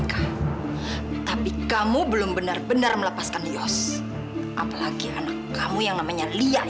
sampai jumpa di video selanjutnya